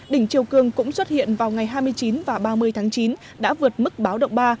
đỉnh chiều cường cũng xuất hiện vào ngày hai mươi chín và ba mươi tháng chín đã vượt mức báo động ba